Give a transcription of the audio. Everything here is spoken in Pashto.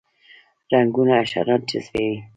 رنګونه حشرات جذبوي